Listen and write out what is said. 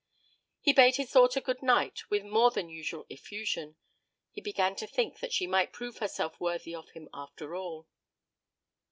He bade his daughter good night with more than usual effusion. He began to think that she might prove herself worthy of him after all.